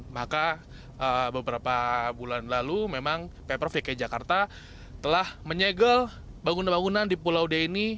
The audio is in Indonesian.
maka beberapa bulan lalu memang pemprov dki jakarta telah menyegel bangunan bangunan di pulau d ini